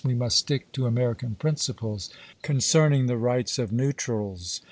We must stick to American principles concerning the rights of neutrals.